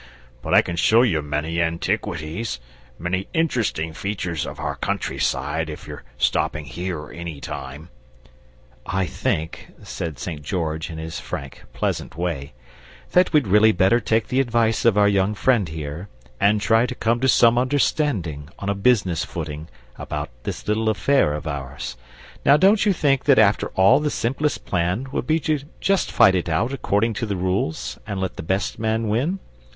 But I can show you many antiquities, many interesting features of our country side, if you're stopping here any time " "I think," said St. George, in his frank, pleasant way, "that we'd really better take the advice of our young friend here, and try to come to some understanding, on a business footing, about this little affair of ours. Now don't you think that after all the simplest plan would be just to fight it out, according to the rules, and let the best man win?